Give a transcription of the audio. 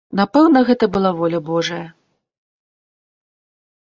Напэўна, гэта была воля божая.